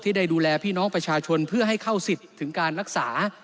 ได้ดูแลพี่น้องประชาชนเพื่อให้เข้าสิทธิ์ถึงการรักษา